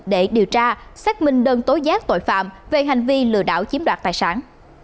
để điều tra xác minh đơn tối giác tội phạm về hành vi lừa đảo chiếm đoạt tài sản